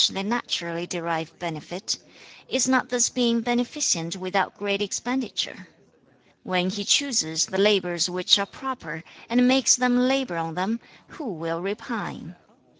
子曰/不 教而殺/謂之虐/不戒視成/謂之暴/慢令致期/謂之賊/猶 they naturally derive benefit; is not this being beneficent without great expenditure? When he chooses the labours which are proper, and makes them labour on them, who will repine?